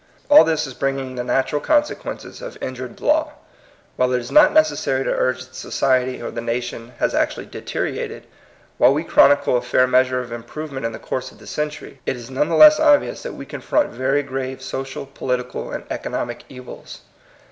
All this is bringing the natural conse quences of injured law. While it is not necessary to urge that society or the nation has actually deteriorated, while we chron icle a fair measure of improvement in the course of the century, it is none the less obvious that we confront very grave social, political, and economic evils.